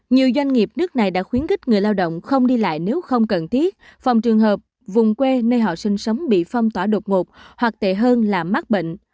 nhiều doanh nghiệp nước này đã khuyến khích người lao động không đi lại nếu không cần thiết phòng trường hợp vùng quê nơi họ sinh sống bị phong tỏa đột ngột hoặc tệ hơn là mắc bệnh